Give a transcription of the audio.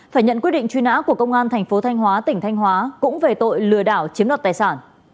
phải nhận quyết định truy nã của công an thành phố thanh hóa tỉnh thanh hóa cũng về tội lừa đảo chiếm đoạt tài sản